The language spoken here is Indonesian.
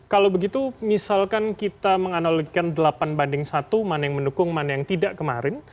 kalau begitu misalkan kita menganalogikan delapan banding satu mana yang mendukung mana yang tidak kemarin